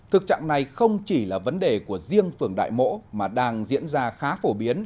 thực trạng này không chỉ là vấn đề của riêng phường đại mỗ mà đang diễn ra khá phổ biến